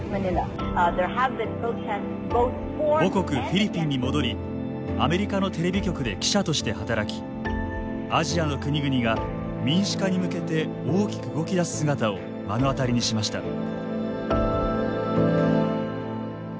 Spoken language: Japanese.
母国フィリピンに戻りアメリカのテレビ局で記者として働きアジアの国々が民主化に向けて大きく動き出す姿を目の当たりにしました。